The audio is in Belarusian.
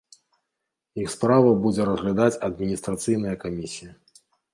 Іх справу будзе разглядаць адміністрацыйная камісія.